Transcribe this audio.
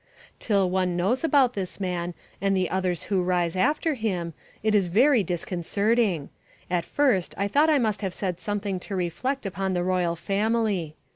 Till one knows about this man, and the others who rise after him, it is very disconcerting; at first I thought I must have said something to reflect upon the royal family.